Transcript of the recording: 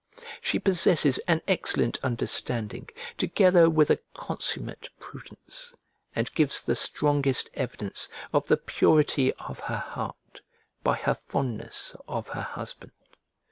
She possesses an excellent understanding together with a consummate prudence, and gives the strongest evidence of the purity of her heart by her fondness of her husband.